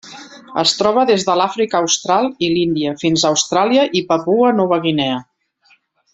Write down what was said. Es troba des de l'Àfrica Austral i l'Índia fins a Austràlia i Papua Nova Guinea.